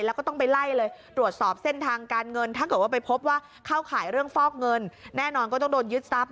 แล้วก็ต้องไปไล่เลยตรวจสอบเส้นทางการเงินถ้าเกิดว่าไปพบว่าเข้าข่ายเรื่องฟอกเงินแน่นอนก็ต้องโดนยึดทรัพย